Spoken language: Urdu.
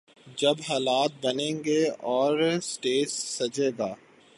جب حالات بنیں گے اور سٹیج سجے گا۔